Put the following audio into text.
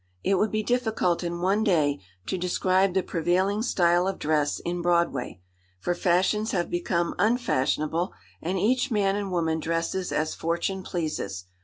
It would be difficult in one day to describe the prevailing style of dress in Broadway, for fashions have become unfashionable, and each man and woman dresses as Fortune pleases.